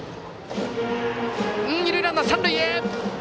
二塁ランナー、三塁へ！